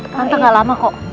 tante gak lama kok